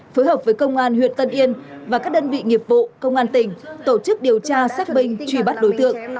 phối hợp với công an huyện tân yên và các đơn vị nghiệp vụ công an tỉnh tổ chức điều tra xác minh truy bắt đối tượng